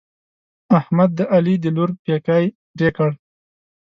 احمد د علي د لور پېکی پرې کړ.